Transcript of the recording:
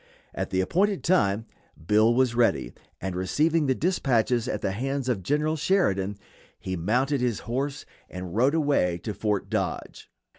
At the appointed time Bill was ready, and receiving the dispatches at the hands of General Sheridan he mounted his horse and rode away to Fort Dodge.